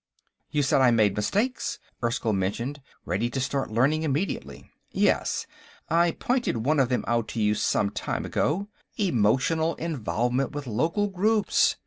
"You said I made mistakes," Erskyll mentioned, ready to start learning immediately. "Yes. I pointed one of them out to you some time ago: emotional involvement with local groups.